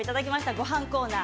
ごはんコーナー